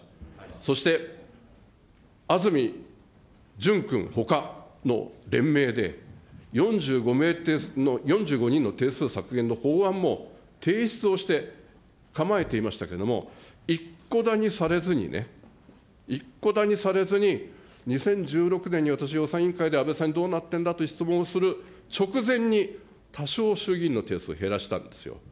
そして安住淳君ほかの連名で、４５人の定数削減の法案も提出をして、構えていましたけれども、一顧だにされずにね、一顧だにされずに、２０１６年に私予算委員会で安倍さんにどうなってんだと質問する直前に、多少衆議院の定数を減らしたんですよ。